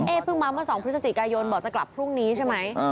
เพิ่งมาเมื่อ๒พฤศจิกายนบอกจะกลับพรุ่งนี้ใช่ไหม